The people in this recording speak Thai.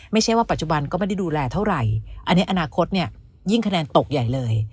ไม่ใช่ว่าปัจจุบันก็ไม่ได้ดูแลเท่าไหร่อันนี้อนาคตเนี่ยยิ่งคะแนนตกใหญ่เลย